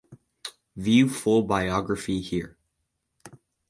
View full biography here.